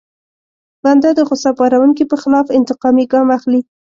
بنده د غوسه پاروونکي په خلاف انتقامي ګام اخلي.